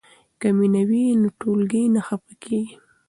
که مینه وي نو ټولګی نه خفه کیږي.